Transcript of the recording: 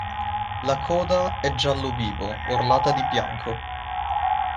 La coda è giallo vivo orlata di bianco.